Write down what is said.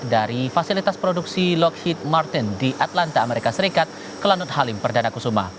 dari fasilitas produksi lockheed martin di atlanta amerika serikat ke lanut halim perdana kusuma